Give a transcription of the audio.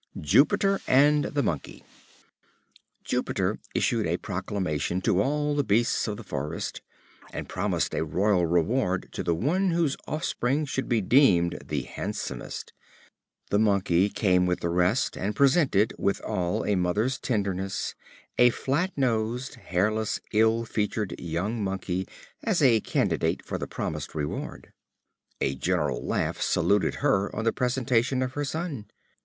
Jupiter and the Monkey. Jupiter issued a proclamation to all the beasts of the forest, and promised a royal reward to the one whose offspring should be deemed the handsomest. The Monkey came with the rest, and presented, with all a mother's tenderness, a flat nosed, hairless, ill featured young Monkey as a candidate for the promised reward. A general laugh saluted her on the presentation of her son.